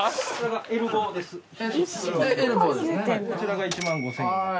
こちらが１万５，０００円。